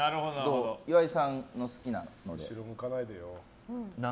岩井さんが好きなので。